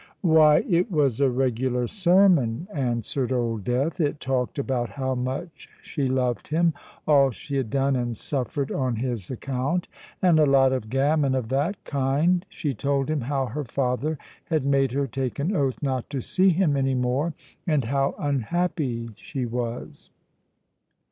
"Why, it was a regular sermon," answered Old Death. "It talked about how much she loved him—all she had done and suffered on his account—and a lot of gammon of that kind. She told him how her father had made her take an oath not to see him any more, and how unhappy she was.